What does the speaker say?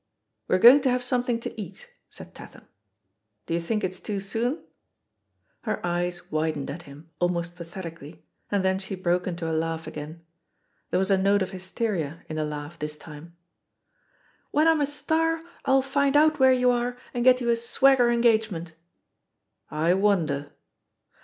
"We're going to have something to eat," said Tatham. "Do you think it's too soon?" Her eyes widened at him, almost pathetically, and then she broke into a laugh again ; there was a note of hysteria in the laugh this time. yHE POSITION OF PEGGY HAKPER 89 iWhen I'm a star. 111 find out where you are and get you a swagger engagement!" "I wonder?"